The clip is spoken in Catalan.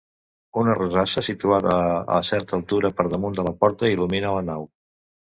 Una rosassa situada a certa altura per damunt de la porta il·lumina la nau.